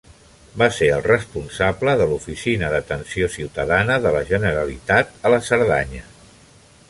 Va ser el responsable de l'Oficina d'Atenció Ciutadana de la Generalitat a la Cerdanya.